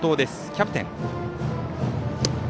キャプテン。